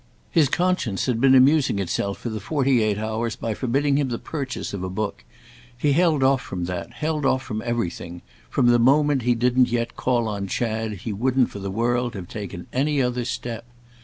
His conscience had been amusing itself for the forty eight hours by forbidding him the purchase of a book; he held off from that, held off from everything; from the moment he didn't yet call on Chad he wouldn't for the world have taken any other step.